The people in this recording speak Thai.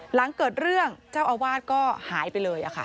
หลังเกิดเรื่องเจ้าอาวาสก็หายไปเลย